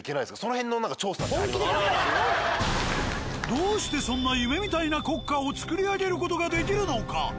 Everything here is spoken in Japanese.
［どうしてそんな夢みたいな国家をつくり上げることができるのか？］